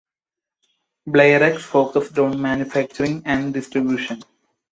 Blairex focused on manufacturing and distribution.